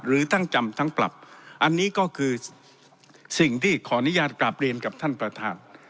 หรือทั้งจำทั้งปรับอันนี้ก็คือสิ่งที่ขออนุญาตกลับเรียนกับท่านประธาน